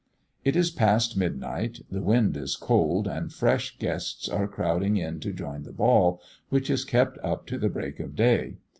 It is past midnight. The wind is cold, and fresh guests are crowding in to join the ball, which is kept up to the break of day.